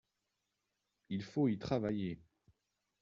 Il faut y travailler.